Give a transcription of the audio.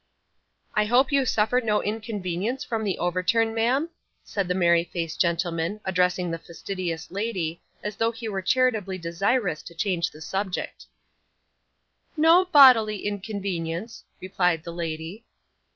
'I hope you suffer no inconvenience from the overturn, ma'am?' said the merry faced gentleman, addressing the fastidious lady, as though he were charitably desirous to change the subject. 'No bodily inconvenience,' replied the lady.